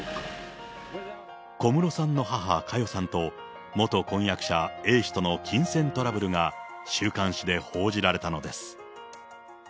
小室さんの母、佳代さんと、元婚約者、Ａ氏との金銭トラブルが週刊誌で報じられたのです。